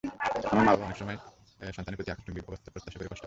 আবার মা-বাবা অনেক সময়ই সন্তানের প্রতি আকাশচুম্বী অবাস্তব প্রত্যাশা করে কষ্ট পান।